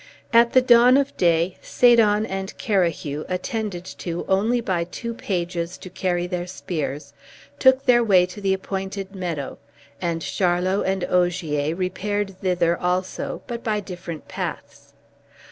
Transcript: At the dawn of day Sadon and Carahue, attended only by two pages to carry their spears, took their way to the appointed meadow; and Charlot and Ogier repaired thither also, but by different paths.